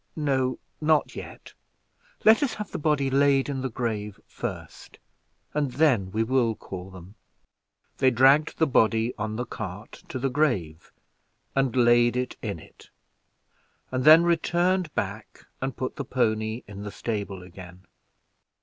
"No, not yet; let us have the body laid in the grave first, and then we will call them." They dragged the body on the cart to the grave, and laid it in it, and then returned back and put the pony in the stable again.